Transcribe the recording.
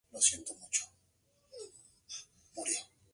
A cambio deberían a pagar fuero perpetuo y carneros.